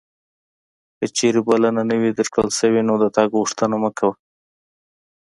که چیرته بلنه نه وې درکړل شوې نو د تګ غوښتنه مه کوه.